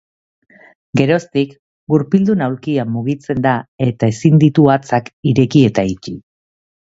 Geroztik, gurpildun aulkian mugitzen da eta ezin ditu hatzak ireki eta itxi.